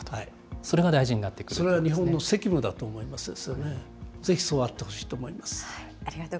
それは日本の責務だと思います。